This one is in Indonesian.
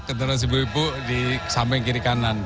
keteras ibu ibu sampai kiri kanan